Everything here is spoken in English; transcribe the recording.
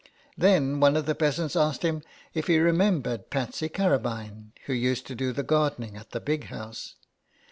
Then one of the peasants asked him if he remembered Patsy Carabine, who used to do the gardening at the Big House.